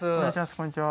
こんにちは。